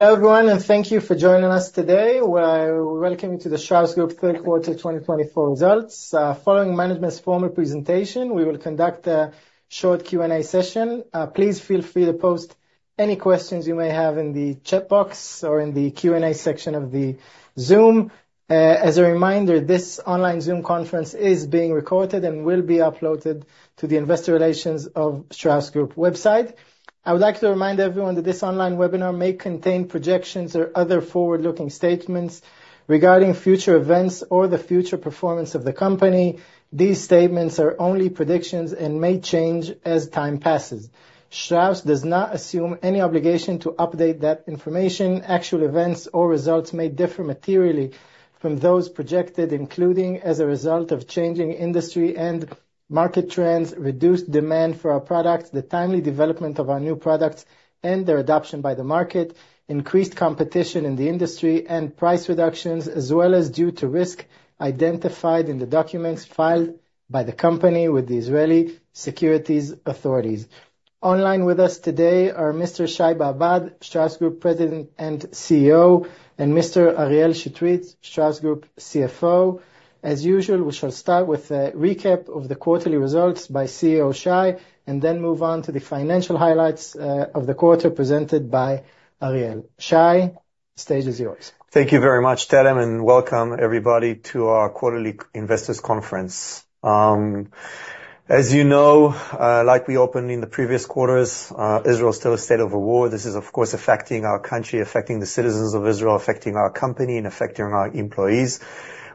Hello everyone, and thank you for joining us today. We're welcoming you to the Strauss Group Q3 2024 Results. Following management's formal presentation, we will conduct a short Q&A session. Please feel free to post any questions you may have in the chat box or in the Q&A section of the Zoom. As a reminder, this online Zoom conference is being recorded and will be uploaded to the Investor Relations of Strauss Group website. I would like to remind everyone that this online webinar may contain projections or other forward-looking statements regarding future events or the future performance of the company. These statements are only predictions and may change as time passes. Strauss does not assume any obligation to update that information. Actual events or results may differ materially from those projected, including as a result of changing industry and market trends, reduced demand for our products, the timely development of our new products and their adoption by the market, increased competition in the industry, and price reductions, as well as due to risk identified in the documents filed by the company with the Israel Securities Authority. Online with us today are Mr. Shai Babad, Strauss Group President and CEO, and Mr. Ariel Chetrit, Strauss Group CFO. As usual, we shall start with a recap of the quarterly results by CEO Shai and then move on to the financial highlights of the quarter presented by Ariel. Shai, the stage is yours. Thank you very much, Tellem, and welcome everybody to our quarterly investors conference. As you know, like we opened in the previous quarters, Israel is still a state of war. This is, of course, affecting our country, affecting the citizens of Israel, affecting our company, and affecting our employees.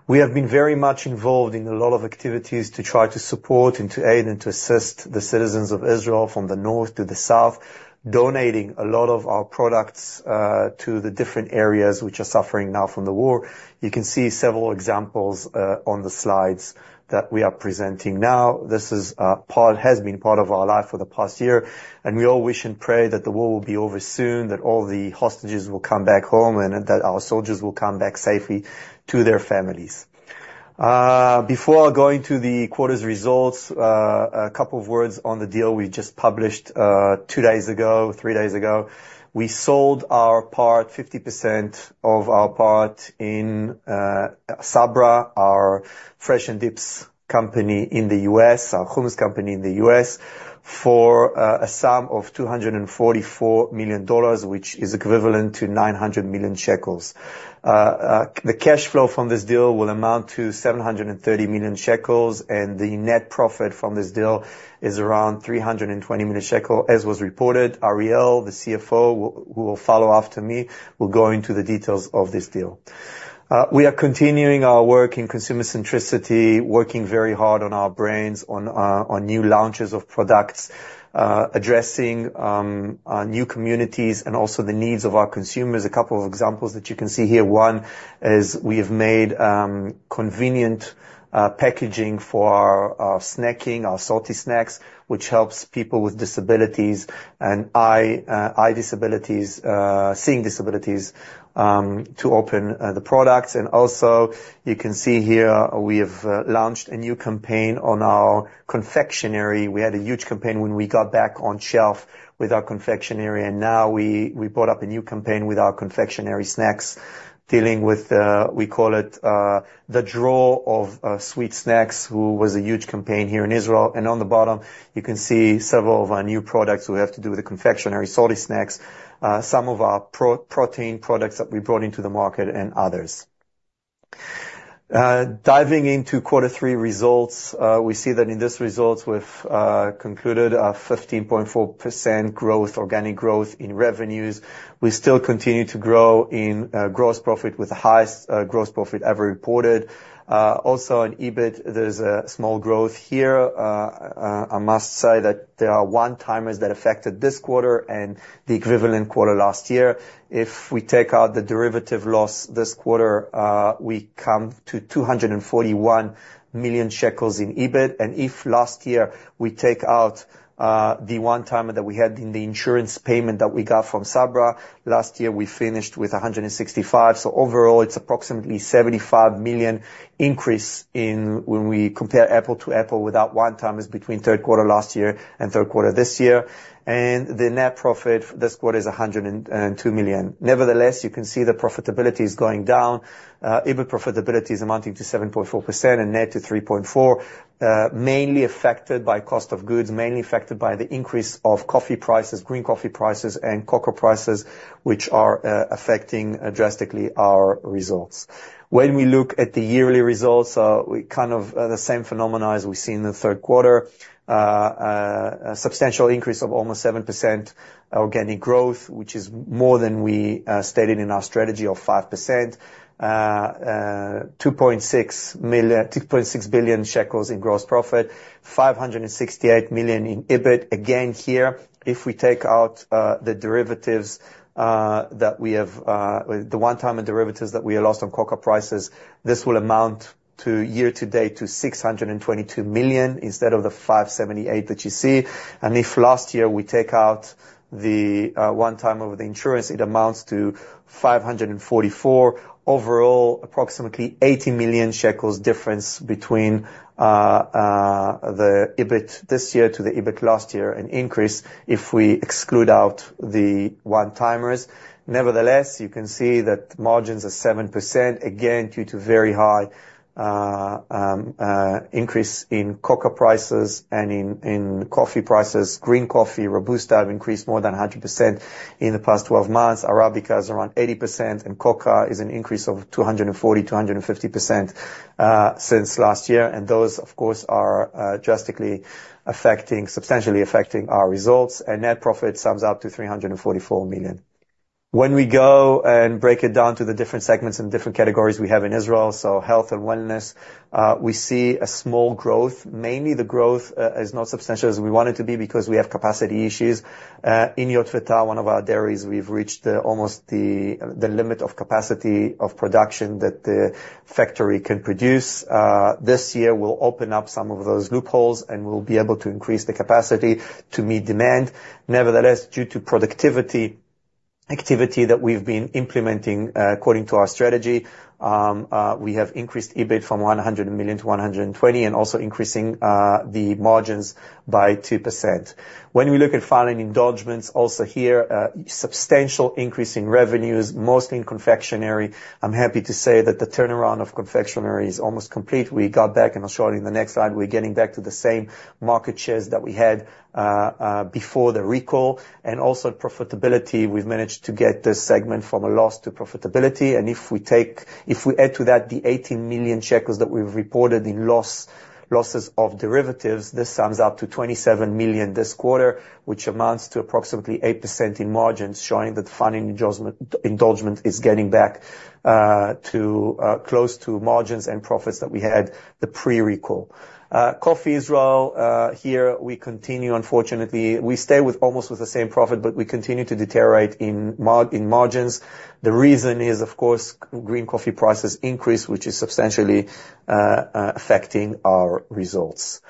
We have been very much involved in a lot of activities to try to support, to aid, and to assist the citizens of Israel from the north to the south, donating a lot of our products to the different areas which are suffering now from the war. You can see several examples on the slides that we are presenting now. This has been part of our life for the past year, and we all wish and pray that the war will be over soon, that all the hostages will come back home, and that our soldiers will come back safely to their families. Before going to the quarter's results, a couple of words on the deal we just published two days ago, three days ago. We sold our part, 50% of our part in Sabra, our fresh and dips company in the U.S., our hummus company in the U.S., for a sum of $244 million, which is equivalent to 900 million shekels. The cash flow from this deal will amount to 730 million shekels, and the net profit from this deal is around 320 million shekels, as was reported. Ariel, the CFO, who will follow after me, will go into the details of this deal. We are continuing our work in consumer centricity, working very hard on our brands on new launches of products, addressing new communities and also the needs of our consumers. A couple of examples that you can see here. One is we have made convenient packaging for our snacking, our salty snacks, which helps people with disabilities and eye disabilities, seeing disabilities, to open the products, and also, you can see here, we have launched a new campaign on our confectionery. We had a huge campaign when we got back on shelf with our confectionery, and now we brought up a new campaign with our confectionery snacks, dealing with, we call it the drawer of sweet snacks, who was a huge campaign here in Israel. And on the bottom, you can see several of our new products who have to do with the confectionery, salty snacks, some of our protein products that we brought into the market, and others. Diving into Q3 results, we see that in these results we've concluded a 15.4% growth, organic growth in revenues. We still continue to grow in gross profit with the highest gross profit ever reported. Also, in EBIT, there's a small growth here. I must say that there are one-timers that affected this quarter and the equivalent quarter last year. If we take out the derivative loss this quarter, we come to 241 million shekels in EBIT. And if last year we take out the one-timer that we had in the insurance payment that we got from Sabra, last year we finished with 165 million. So overall, it's approximately 75 million increase when we compare apples-to-apples without one-timers between Q3 last year and Q3 this year. And the net profit this quarter is 102 million ILS. Nevertheless, you can see the profitability is going down. EBIT profitability is amounting to 7.4% and net to 3.4%, mainly affected by cost of goods, mainly affected by the increase of coffee prices, green coffee prices, and cocoa prices, which are affecting drastically our results. When we look at the yearly results, we see kind of the same phenomena as we see in the Q3, a substantial increase of almost 7% organic growth, which is more than we stated in our strategy of 5%, 2.6 billion shekels in gross profit, 568 million in EBIT. Again, here, if we take out the derivatives that we have, the one-timer derivatives that we have lost on cocoa prices, this will amount to year-to-date to 622 million instead of the 578 million that you see, and if last year we take out the one-timer with the insurance, it amounts to 544 million. Overall, approximately 80 million shekels difference between the EBIT this year to the EBIT last year, an increase if we exclude out the one-timers. Nevertheless, you can see that margins are 7%, again, due to very high increase in cocoa prices and in coffee prices. Green coffee, Robusta, have increased more than 100% in the past 12 months. Arabica is around 80%, and cocoa is an increase of 240%-250% since last year, and those, of course, are drastically affecting, substantially affecting our results, and net profit sums up to 344 million. When we go and break it down to the different segments and different categories we have in Israel, so Health & Wellness, we see a small growth. Mainly, the growth is not substantial as we want it to be because we have capacity issues. In Yotvata, one of our dairies, we've reached almost the limit of capacity of production that the factory can produce. This year, we'll open up some of those loopholes and we'll be able to increase the capacity to meet demand. Nevertheless, due to productivity activity that we've been implementing according to our strategy, we have increased EBIT from 100 million to 120 million and also increasing the margins by 2%. When we look at Fun & Indulgence, also here, substantial increase in revenues, mostly in confectionery. I'm happy to say that the turnaround of confectionery is almost complete. We got back, and I'll show it in the next slide. We're getting back to the same market shares that we had before the recall. And also profitability, we've managed to get this segment from a loss to profitability. And if we add to that the 18 million shekels that we've reported in losses of derivatives, this sums up to 27 million this quarter, which amounts to approximately 8% in margins, showing that the Fun & Indulgence segment is getting back to close to margins and profits that we had pre-recall. Coffee Israel, here we continue, unfortunately, we stay almost with the same profit, but we continue to deteriorate in margins. The reason is, of course, green coffee prices increase, which is substantially affecting our results.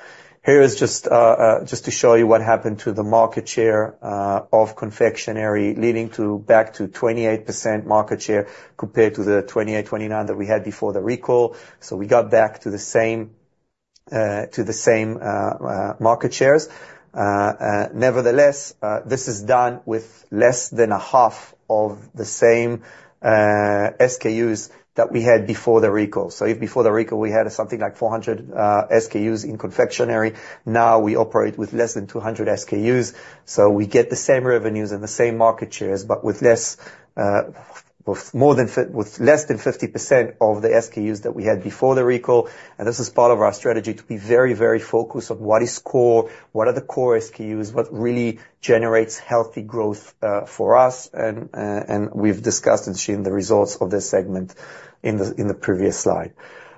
Here is just to show you what happened to the market share of confectionery, leading back to 28% market share compared to the 28%-29% that we had before the recall. So we got back to the same market shares. Nevertheless, this is done with less than a half of the same SKUs that we had before the recall. So before the recall, we had something like 400 SKUs in confectionery. Now we operate with less than 200 SKUs. So we get the same revenues and the same market shares, but with less than 50% of the SKUs that we had before the recall. And this is part of our strategy to be very, very focused on what is core, what are the core SKUs, what really generates healthy growth for us. And we've discussed the results of this segment in the previous slide.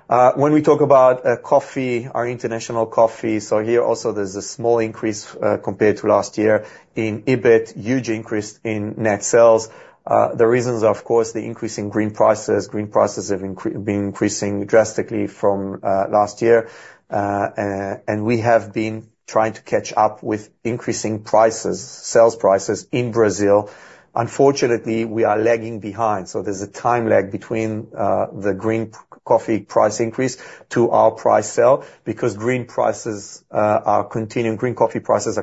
When we talk about coffee, our International Coffee, so here also there's a small increase compared to last year in EBIT, huge increase in net sales. The reasons are, of course, the increase in green prices. Green prices have been increasing drastically from last year, and we have been trying to catch up with increasing prices, sales prices in Brazil. Unfortunately, we are lagging behind, so there's a time lag between the green coffee price increase to our sales price because green coffee prices are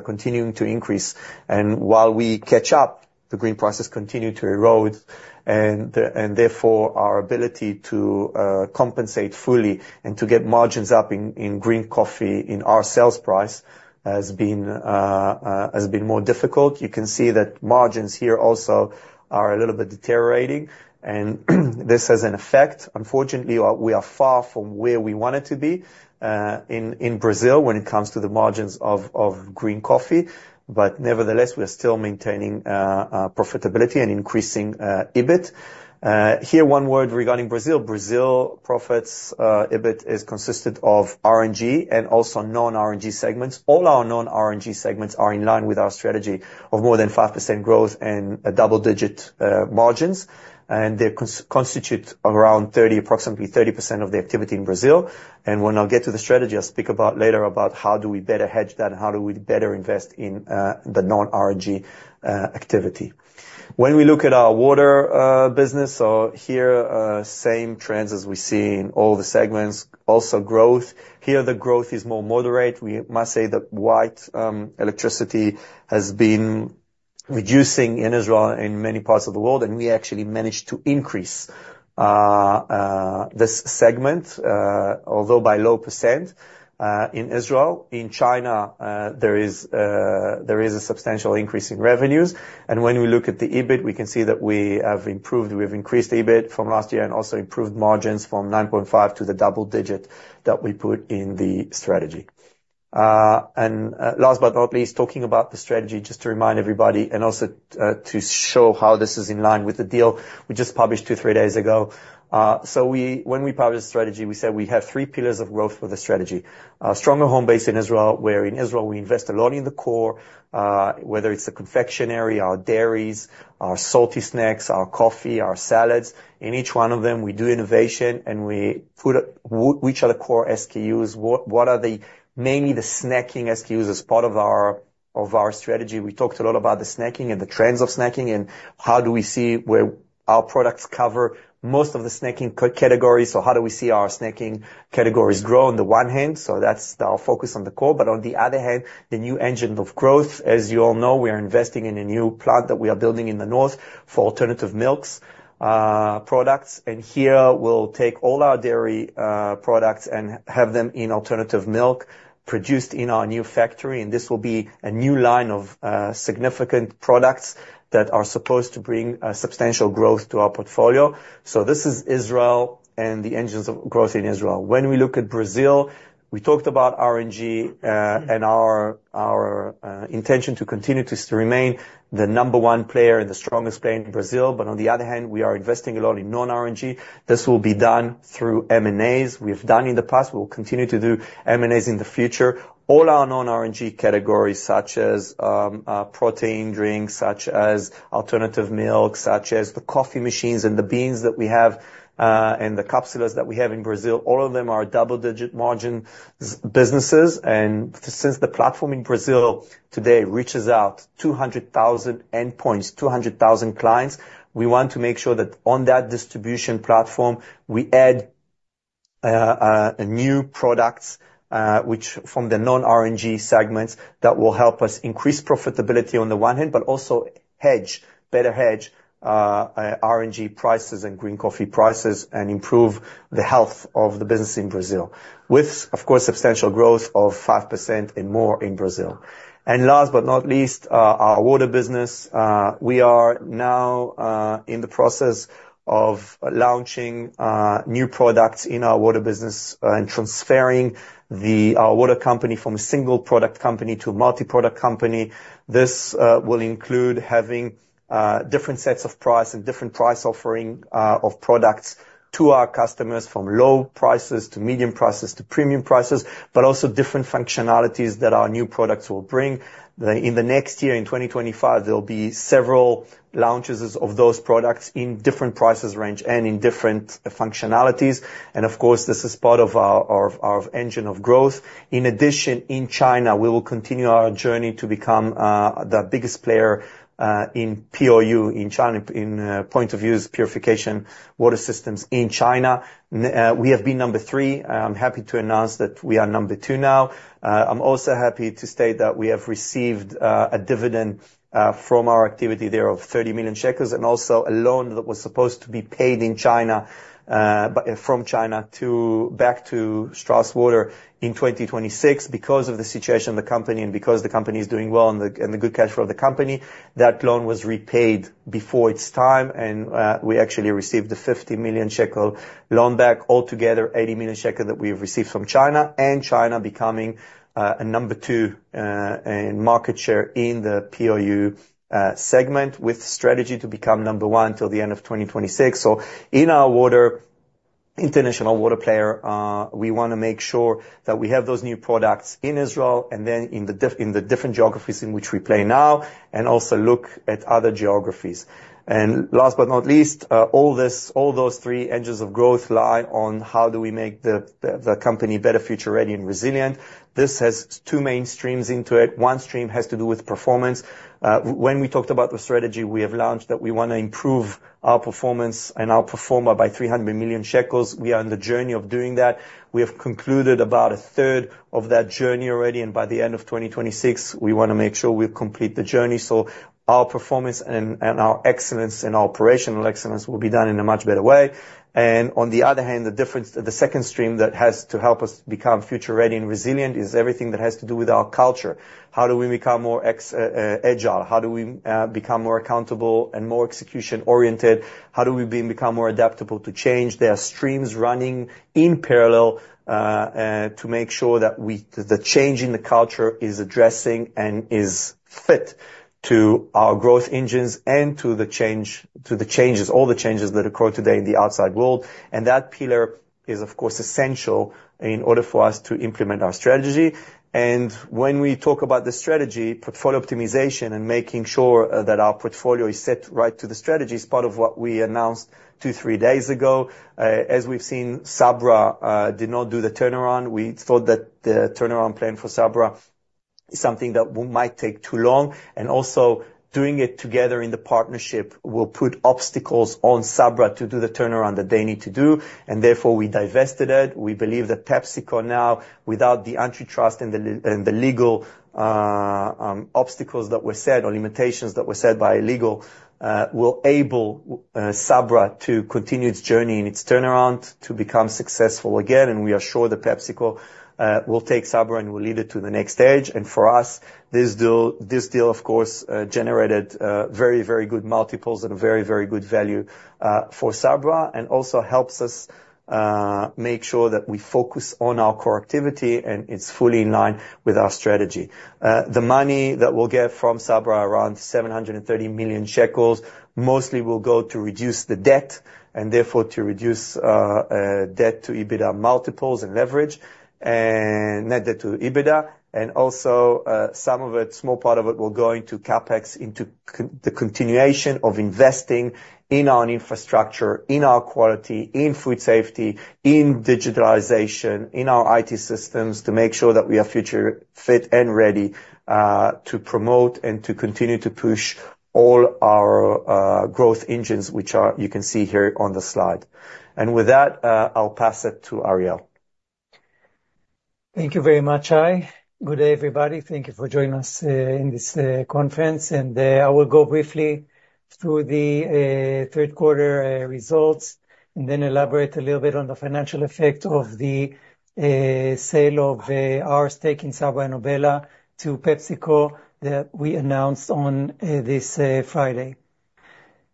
continuing to increase, and while we catch up, the green prices continue to erode, and therefore, our ability to compensate fully and to get margins up in green coffee in our sales price has been more difficult. You can see that margins here also are a little bit deteriorating, and this has an effect. Unfortunately, we are far from where we wanted to be in Brazil when it comes to the margins of green coffee, but nevertheless, we are still maintaining profitability and increasing EBIT. Here, one word regarding Brazil. Brazil profits, EBIT is consisted of R&G and also Non-R&G segments. All our Non-R&G segments are in line with our strategy of more than 5% growth and double-digit margins, and they constitute around 30, approximately 30% of the activity in Brazil, and when I get to the strategy, I'll speak about later about how do we better hedge that and how do we better invest in the non-R&G activity. When we look at our Water business, so here, same trends as we see in all the segments, also growth. Here, the growth is more moderate. We must say that white electronics has been reducing in Israel and in many parts of the world. We actually managed to increase this segment, although by a low % in Israel. In China, there is a substantial increase in revenues. When we look at the EBIT, we can see that we have improved. We have increased EBIT from last year and also improved margins from 9.5% to the double-digit that we put in the strategy. Last but not least, talking about the strategy, just to remind everybody and also to show how this is in line with the deal we just published two or three days ago. When we published the strategy, we said we have three pillars of growth for the strategy: stronger home base in Israel, where in Israel we invest a lot in the core, whether it's the confectionery, our dairies, our salty snacks, our coffee, our salads. In each one of them, we do innovation and we put each other core SKUs, what are mainly the snacking SKUs as part of our strategy? We talked a lot about the snacking and the trends of snacking and how do we see where our products cover most of the snacking categories, so how do we see our snacking categories grow on the one hand, so that's our focus on the core, but on the other hand, the new engine of growth, as you all know, we are investing in a new plant that we are building in the north for alternative milks products, and here we'll take all our dairy products and have them in alternative milk produced in our new factory, and this will be a new line of significant products that are supposed to bring substantial growth to our portfolio. So this is Israel and the engines of growth in Israel. When we look at Brazil, we talked about R&G and our intention to continue to remain the number one player and the strongest player in Brazil. But on the other hand, we are investing a lot in non-R&G. This will be done through M&As. We've done in the past. We will continue to do M&As in the future. All our non-R&G categories, such as protein drinks, such as alternative milk, such as the coffee machines and the beans that we have and the capsules that we have in Brazil, all of them are double-digit margin businesses. And since the platform in Brazil today reaches out 200,000 endpoints, 200,000 clients, we want to make sure that on that distribution platform, we add new products from the Non-R&G segments that will help us increase profitability on the one hand, but also hedge, better hedge R&G prices and green coffee prices and improve the health of the business in Brazil with, of course, substantial growth of 5% and more in Brazil. And last but not least, our Water business. We are now in the process of launching new products in our Water business and transferring our water company from a single product company to a multi-product company. This will include having different sets of price and different price offering of products to our customers from low prices to medium prices to premium prices, but also different functionalities that our new products will bring. In the next year, in 2025, there will be several launches of those products in different price range and in different functionalities, and of course, this is part of our engine of growth. In addition, in China, we will continue our journey to become the biggest player in POU in China in point of use, water purification systems in China. We have been number three. I'm happy to announce that we are number two now. I'm also happy to state that we have received a dividend from our activity there of 30 million shekels and also a loan that was supposed to be paid in China from China back to Strauss Water in 2026. Because of the situation of the company and because the company is doing well and the good cash flow of the company, that loan was repaid before its time. And we actually received the 50 million shekel loan back, altogether 80 million shekel that we have received from China and China becoming a number two in market share in the POU segment with strategy to become number one until the end of 2026. So in our water international water player, we want to make sure that we have those new products in Israel and then in the different geographies in which we play now and also look at other geographies. And last but not least, all those three engines of growth lie on how do we make the company better, future-ready, and resilient. This has two main streams into it, one stream has to do with performance. When we talked about the strategy, we have launched that we want to improve our performance and our performance by 300 million shekels. We are on the journey of doing that. We have concluded about 1/3 of that journey already, and by the end of 2026, we want to make sure we complete the journey, so our performance and our excellence and our operational excellence will be done in a much better way, and on the other hand, the second stream that has to help us become future-ready and resilient is everything that has to do with our culture. How do we become more agile? How do we become more accountable and more execution-oriented? How do we become more adaptable to change? There are streams running in parallel to make sure that the change in the culture is addressing and is fit to our growth engines and to the changes, all the changes that occur today in the outside world, and that pillar is, of course, essential in order for us to implement our strategy. When we talk about the strategy, portfolio optimization, and making sure that our portfolio is set right to the strategy is part of what we announced two, three days ago. As we've seen, Sabra did not do the turnaround. We thought that the turnaround plan for Sabra is something that might take too long. Also doing it together in the partnership will put obstacles on Sabra to do the turnaround that they need to do. Therefore, we divested it. We believe that PepsiCo now, without the antitrust and the legal obstacles that were set or limitations that were set by legal, will able Sabra to continue its journey in its turnaround to become successful again. We are sure that PepsiCo will take Sabra and will lead it to the next stage. For us, this deal, of course, generated very, very good multiples and a very, very good value for Sabra and also helps us make sure that we focus on our core activity and it's fully in line with our strategy. The money that we'll get from Sabra, around 730 million shekels, mostly will go to reduce the debt and therefore to reduce debt to EBITDA multiples and leverage and net debt to EBITDA. And also some of it, small part of it, will go into CapEx, into the continuation of investing in our infrastructure, in our quality, in food safety, in digitalization, in our IT systems to make sure that we are future-fit and ready to promote and to continue to push all our growth engines, which you can see here on the slide. And with that, I'll pass it to Ariel. Thank you very much, Shai. Good day, everybody. Thank you for joining us in this conference. I will go briefly through the Q3 results and then elaborate a little bit on the financial effect of the sale of our stake in Sabra and Obela to PepsiCo that we announced on this Friday.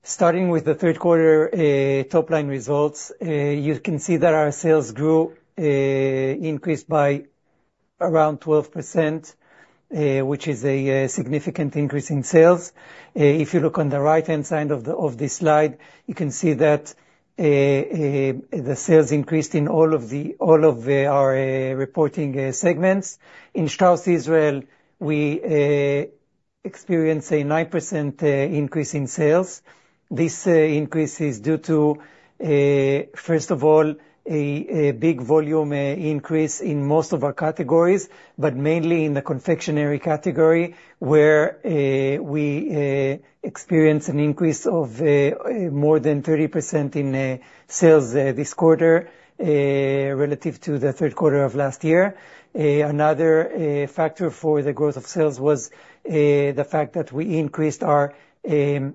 Starting with the Q3 top-line results, you can see that our sales grew, increased by around 12%, which is a significant increase in sales. If you look on the right-hand side of the slide, you can see that the sales increased in all of our reporting segments. In Strauss Israel, we experienced a 9% increase in sales. This increase is due to, first of all, a big volume increase in most of our categories, but mainly in the Confectionery category, where we experienced an increase of more than 30% in sales this quarter relative to the Q3 of last year. Another factor for the growth of sales was the fact that we increased our pricing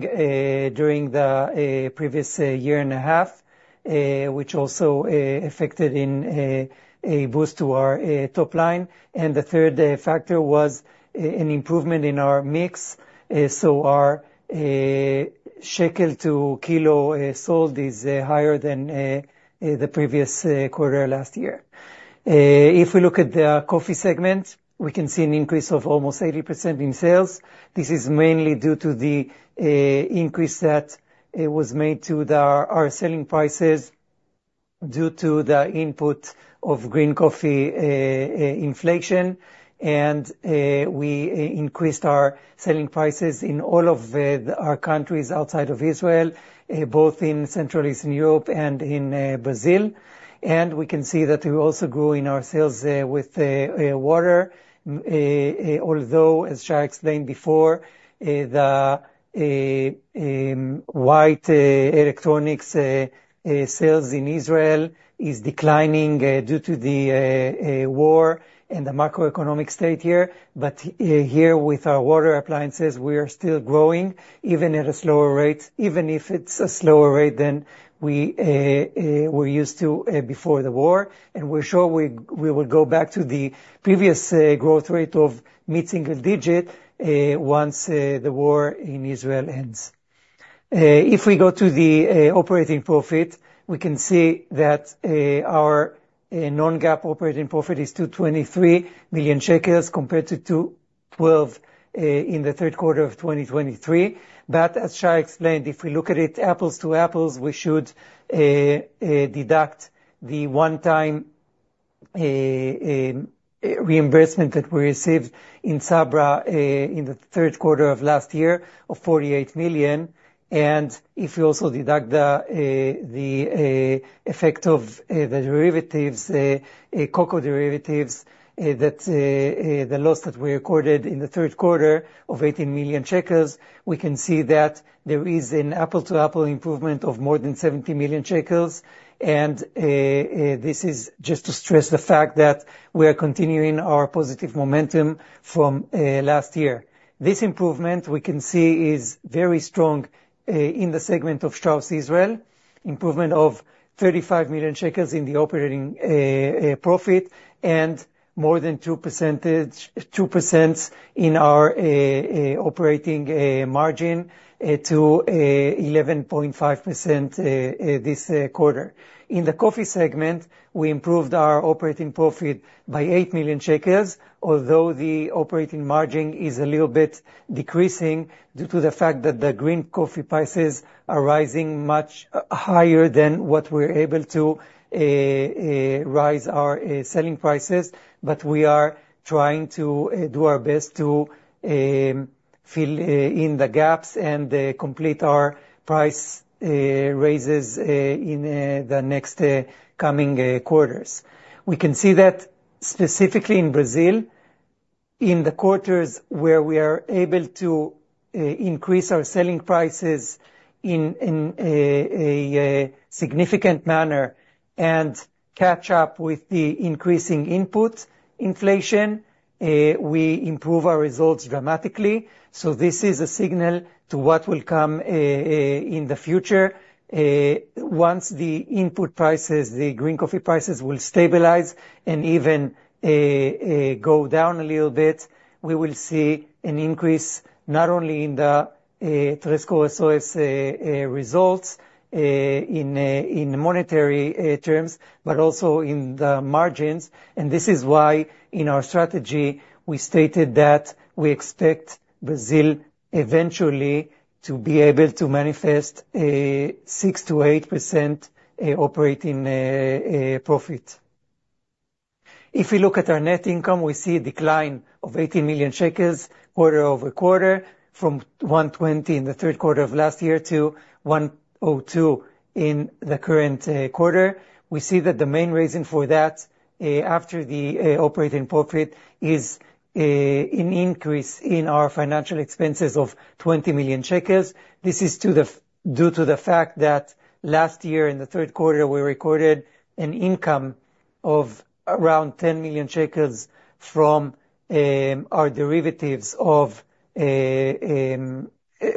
during the previous year and a half, which also affected a boost to our top line. The third factor was an improvement in our mix. Our shekel to kilo sold is higher than the previous quarter last year. If we look at the coffee segment, we can see an increase of almost 80% in sales. This is mainly due to the increase that was made to our selling prices due to the input of green coffee inflation. We increased our selling prices in all of our countries outside of Israel, both in Central and Eastern Europe and in Brazil. We can see that we also grew in our sales with Water, although, as Shai explained before, the white electronics sales in Israel is declining due to the war and the macroeconomic state here. Here with our water appliances, we are still growing even at a slower rate, even if it's a slower rate than we were used to before the war. We're sure we will go back to the previous growth rate of mid-single-digit once the war in Israel ends. If we go to the operating profit, we can see that our non-GAAP operating profit is 223 million shekels compared to 212 million in the Q3 of 2023. As Shai explained, if we look at it apples to apples, we should deduct the one-time reimbursement that we received in Sabra in the Q3 of last year of 48 million. If we also deduct the effect of the derivatives, cocoa derivatives, the loss that we recorded in the Q3 of 18 million shekels, we can see that there is an apples-to-apples improvement of more than 70 million shekels. This is just to stress the fact that we are continuing our positive momentum from last year. This improvement, we can see, is very strong in the segment of Strauss Israel, improvement of 35 million shekels in the operating profit and more than 2% in our operating margin to 11.5% this quarter. In the Coffee segment, we improved our operating profit by 8 million shekels, although the operating margin is a little bit decreasing due to the fact that the green coffee prices are rising much higher than what we're able to raise our selling prices. But we are trying to do our best to fill in the gaps and complete our price raises in the next coming quarters. We can see that specifically in Brazil, in the quarters where we are able to increase our selling prices in a significant manner and catch up with the increasing input inflation, we improve our results dramatically. So this is a signal to what will come in the future. Once the input prices, the green coffee prices will stabilize and even go down a little bit, we will see an increase not only in the Três Corações results in monetary terms, but also in the margins. And this is why in our strategy, we stated that we expect Brazil eventually to be able to manifest 6%-8% operating profit. If we look at our net income, we see a decline of 18 million shekels quarter-over-quarter from 120 million in the Q3 of last year to 102 million in the current quarter. We see that the main reason for that after the operating profit is an increase in our financial expenses of 20 million shekels. This is due to the fact that last year in the Q3, we recorded an income of around 10 million shekels from our derivatives of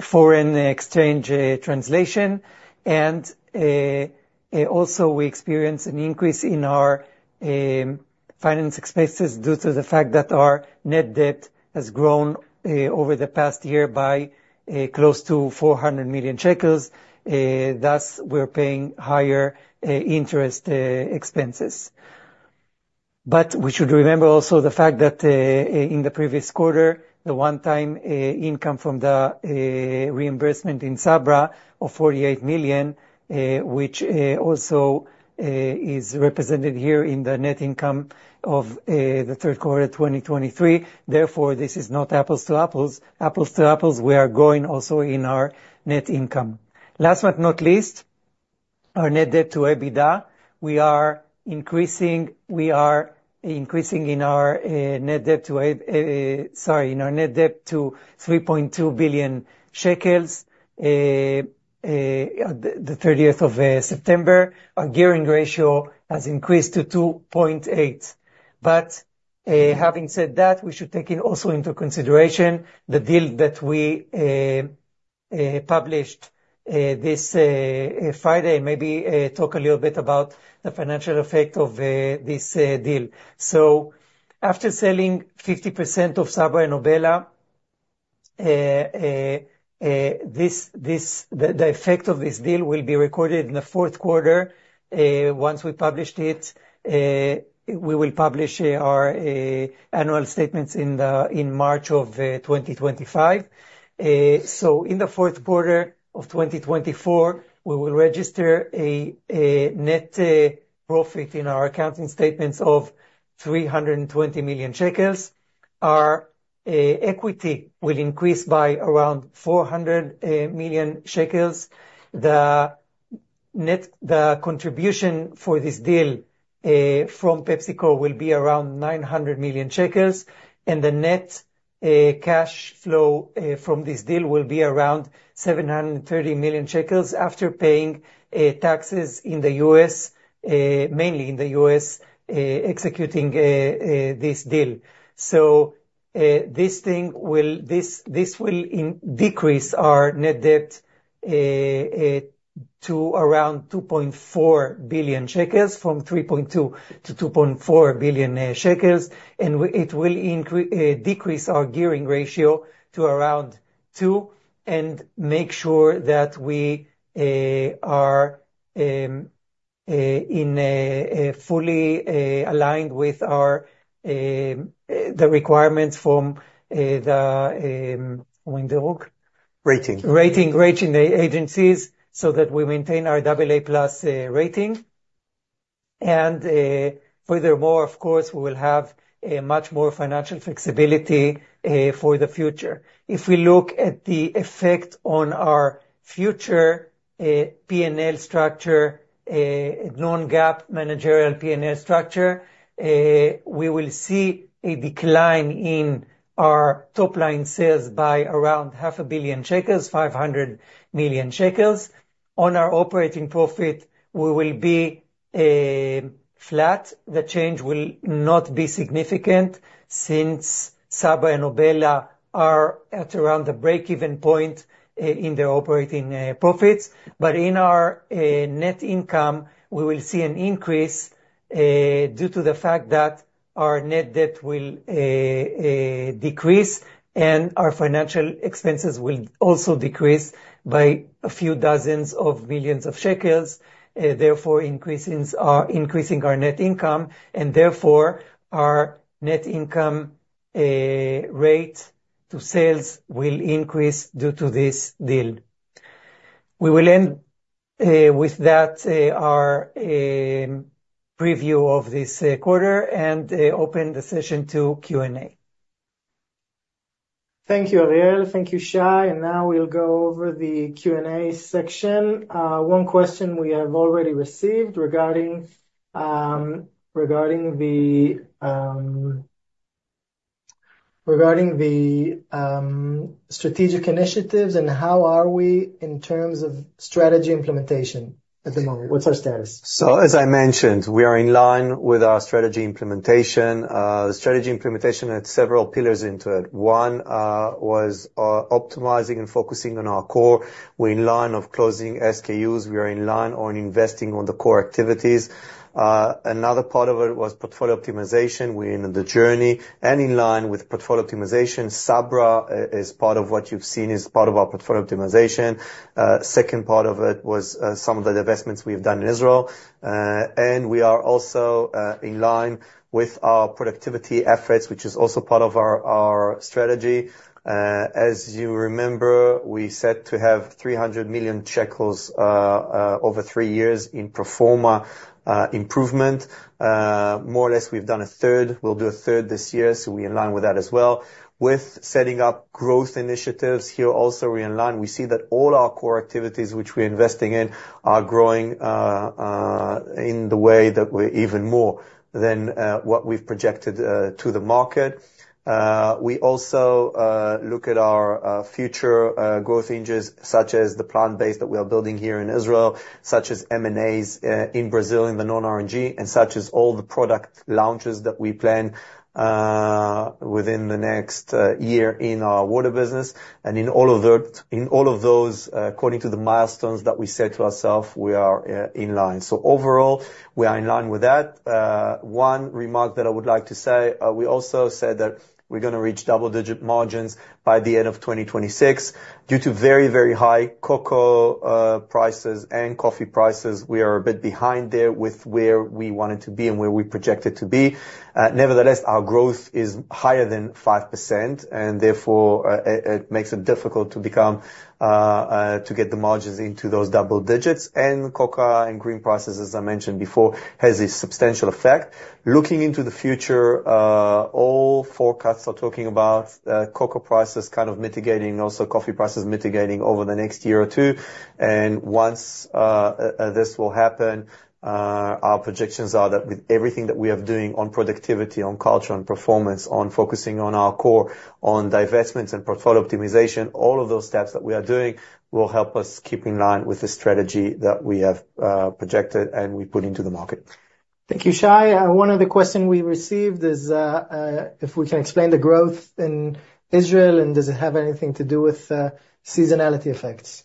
foreign exchange translation. And also, we experienced an increase in our finance expenses due to the fact that our net debt has grown over the past year by close to 400 million shekels. Thus, we're paying higher interest expenses. But we should remember also the fact that in the previous quarter, the one-time income from the reimbursement in Sabra of 48 million, which also is represented here in the net income of the Q3 2023. Therefore, this is not apples-to-apples. Apples-to-apples, we are growing also in our net income. Last but not least, our net debt to EBITDA, we are increasing in our net debt to, sorry, in our net debt to 3.2 billion shekels the 30th of September. Our gearing ratio has increased to 2.8. But having said that, we should take also into consideration the deal that we published this Friday and maybe talk a little bit about the financial effect of this deal. So after selling 50% of Sabra and Obela, the effect of this deal will be recorded in the Q4. Once we published it, we will publish our annual statements in March of 2025. So in the Q4 of 2024, we will register a net profit in our accounting statements of 320 million shekels. Our equity will increase by around 400 million shekels. The contribution for this deal from PepsiCo will be around 900 million shekels. And the net cash flow from this deal will be around 730 million shekels after paying taxes in the U.S., mainly in the U.S., executing this deal. So this will decrease our net debt to around 2.4 billion shekels from 3.2 billion to 2.4 billion shekels. And it will decrease our gearing ratio to around 2 and make sure that we are fully aligned with the requirements from the rating agencies so that we maintain our AA+ rating. And furthermore, of course, we will have much more financial flexibility for the future. If we look at the effect on our future P&L structure, non-GAAP managerial P&L structure, we will see a decline in our top-line sales by around 500 million shekels, ILS 500 million. On our operating profit, we will be flat. The change will not be significant since Sabra and Obela are at around the break-even point in their operating profits. But in our net income, we will see an increase due to the fact that our net debt will decrease and our financial expenses will also decrease by a few dozens of millions of shekels. Therefore, increasing our net income and therefore our net income rate to sales will increase due to this deal. We will end with that our preview of this quarter and open the session to Q&A. Thank you, Ariel. Thank you, Shai. And now we'll go over the Q&A section. One question we have already received regarding the strategic initiatives and how are we in terms of strategy implementation at the moment? What's our status? So, as I mentioned, we are in line with our strategy implementation. The strategy implementation had several pillars into it. One was optimizing and focusing on our core. We're in line of closing SKUs. We are in line on investing on the core activities. Another part of it was portfolio optimization. We're in the journey and in line with portfolio optimization. Sabra is part of what you've seen is part of our portfolio optimization. Second part of it was some of the investments we have done in Israel. And we are also in line with our productivity efforts, which is also part of our strategy. As you remember, we set to have 300 million shekels over three years in pro forma improvement. More or less, we've done 1/3. We'll do 1/3 this year. So we align with that as well. With setting up growth initiatives here also, we see that all our core activities, which we're investing in, are growing in the way that we're even more than what we've projected to the market. We also look at our future growth engines, such as the plant-based that we are building here in Israel, such as M&As in Brazil in the non-R&G, and such as all the product launches that we plan within the next year in our Water business. And in all of those, according to the milestones that we set to ourselves, we are in line. So overall, we are in line with that. One remark that I would like to say, we also said that we're going to reach double-digit margins by the end of 2026. Due to very, very high cocoa prices and coffee prices, we are a bit behind there with where we wanted to be and where we projected to be. Nevertheless, our growth is higher than 5%, and therefore it makes it difficult to get the margins into those double-digits, and cocoa and green coffee prices, as I mentioned before, has a substantial effect. Looking into the future, all forecasts are talking about cocoa prices kind of mitigating, also coffee prices mitigating over the next year or two, and once this will happen, our projections are that with everything that we are doing on productivity, on culture, on performance, on focusing on our core, on divestments and portfolio optimization, all of those steps that we are doing will help us keep in line with the strategy that we have projected and we put into the market. Thank you, Shai. One of the questions we received is if we can explain the growth in Israel, and does it have anything to do with seasonality effects?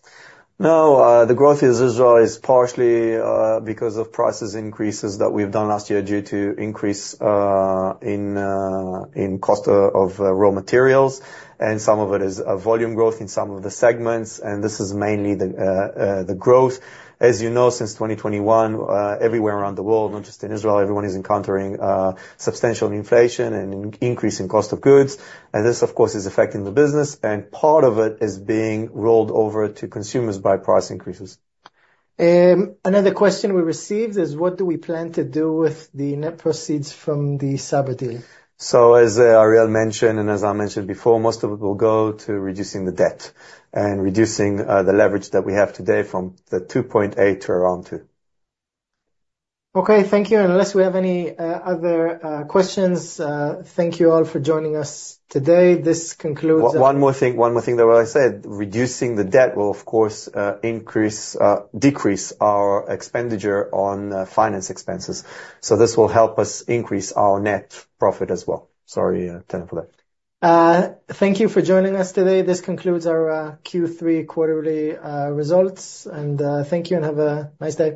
No, the growth in Israel is partially because of price increases that we've done last year due to increase in cost of raw materials. Some of it is volume growth in some of the segments. This is mainly the growth. As you know, since 2021, everywhere around the world, not just in Israel, everyone is encountering substantial inflation and increase in cost of goods. This, of course, is affecting the business. Part of it is being rolled over to consumers by price increases. Another question we received is, what do we plan to do with the net proceeds from the Sabra deal? So, as Ariel mentioned, and as I mentioned before, most of it will go to reducing the debt and reducing the leverage that we have today from the 2.8 to around 2. Okay, thank you. Unless we have any other questions, thank you all for joining us today. This concludes. One more thing that I said, reducing the debt will, of course, decrease our expenditure on finance expenses. So this will help us increase our net profit as well. Sorry, Tellem for that. Thank you for joining us today. This concludes our Q3 quarterly results. And thank you and have a nice day.